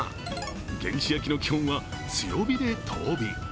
原始焼きの基本は強火で遠火。